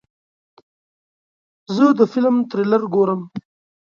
زه د فلم تریلر ګورم.